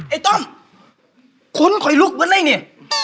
ไอ้ต้มขนคอยลุกเมื่อนี่